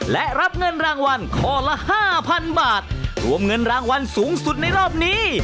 และรับเงินรางวัลข้อละห้าพันบาทรวมเงินรางวัลสูงสุดในรอบนี้